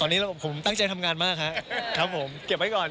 ตอนนี้ผมตั้งใจทำงานมากครับผมเก็บไว้ก่อน